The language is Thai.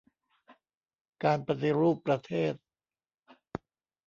การปฏิรูปประเทศ